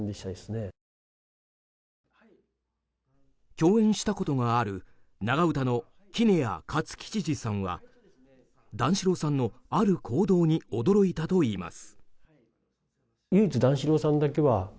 共演したことがある長唄の杵屋勝吉治さんは段四郎さんのある行動に驚いたといいます。